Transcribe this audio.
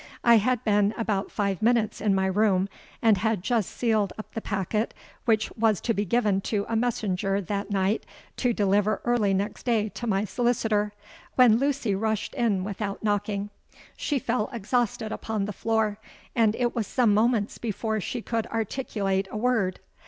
I had been about five minutes in my room, and had just sealed up the packet which was to be given to a messenger that night to deliver early next day to my solicitor, when Lucy rushed in without knocking. She fell exhausted upon the floor; and it was some moments before she could articulate a word.